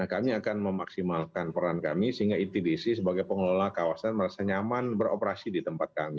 nah kami akan memaksimalkan peran kami sehingga edp di si sebagai pengelola kawasan merasa nyaman beroperasi di tempat kami